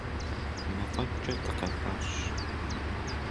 Мафӏэгукӏэ дыкъакӏуащ.